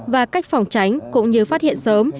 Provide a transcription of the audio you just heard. và cách phòng tránh cũng như phát hiện sớm